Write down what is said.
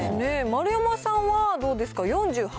丸山さんはどうですか、４８％。